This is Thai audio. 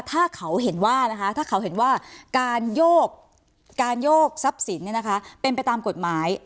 ถ้าเขาเห็นว่าการโยกทรัพย์สินเนี่ยนะคะเป็นไปตามกฎหมาย